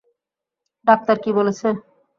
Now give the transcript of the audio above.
Doctor কী বলেছে?